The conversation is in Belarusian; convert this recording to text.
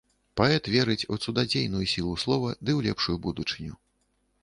Паэт верыць у цудадзейную сілу слова ды ў лепшую будучыню.